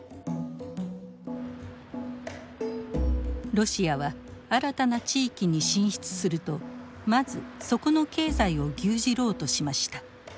ロシアは新たな地域に進出するとまずそこの経済を牛耳ろうとしました。